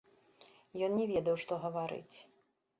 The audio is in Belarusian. Ён не ведаў, што гаварыць.